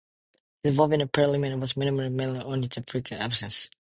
His involvement in Parliament was minimal mainly owing to his frequent absence.